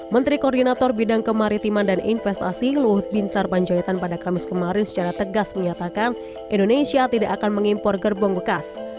menteri koordinator bidang kemaritiman dan investasi luhut bin sarpanjaitan pada kamis kemarin secara tegas menyatakan indonesia tidak akan mengimpor gerbong bekas